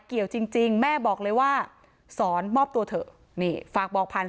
เกี่ยวจริงแม่บอกเลยว่าสอนมอบตัวเถอะนี่ฝากบอกผ่าน